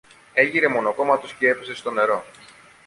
έγειρε μονοκόμματος κι έπεσε στο νερό.